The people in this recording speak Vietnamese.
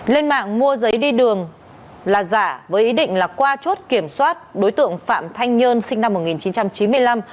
lên mạng mua giấy đi đường là giả với ý định là qua chốt kiểm soát đối tượng phạm thanh nhơn sinh năm một nghìn chín trăm chín mươi năm